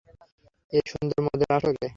এই সুন্দর মদের আসরে।